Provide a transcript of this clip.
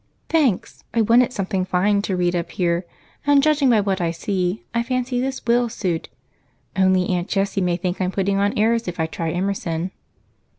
"Thanks. I wanted something fine to read up here and, judging by what I see, I fancy this will suit. Only Aunt Jessie may think I'm putting on airs if I try Emerson."